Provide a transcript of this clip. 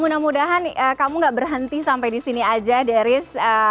mudah mudahan kamu gak berhenti sampai disini aja deris